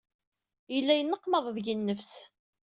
Yella yenneqmaḍ deg-i nnefs.